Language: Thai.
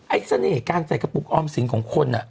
เสน่ห์การใส่กระปุกออมสินของคน